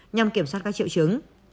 nhằm kiểm soát các triệu chứng